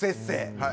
はい。